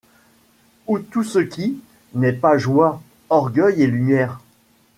Où tout ce qui. n’est pas joie, orgueil et lumière